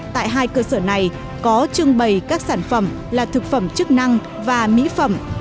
tại hai cơ sở này có trưng bày các sản phẩm là thực phẩm chức năng và mỹ phẩm